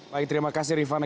baik terima kasih rifana